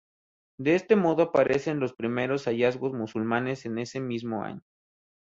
De este modo aparecen los primeros hallazgos musulmanes en ese mismo año.